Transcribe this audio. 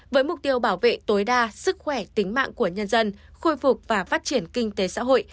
với mục tiêu bảo vệ tối đa sức khỏe tính mạng của nhân dân khôi phục và phát triển kinh tế xã hội